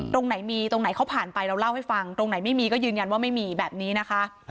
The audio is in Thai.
ตรงไหนมีตรงไหนเขาผ่านไปเราเล่าให้ฟังตรงไหนไม่มีก็ยืนยันว่าไม่มีแบบนี้นะคะ